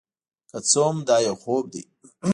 که څه هم دا یو خوب دی،